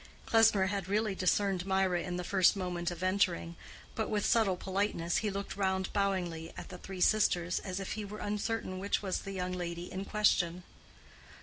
Klesmer had really discerned Mirah in the first moment of entering, but, with subtle politeness, he looked round bowingly at the three sisters as if he were uncertain which was the young lady in question.